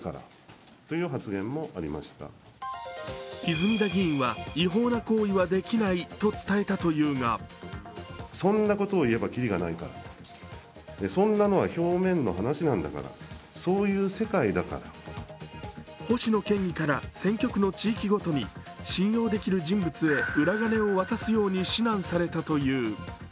泉田議員は、違法な行為はできないと伝えたというが星野県議から選挙区の地域ごとに信用できる人物へ裏金を渡すように指南されたという。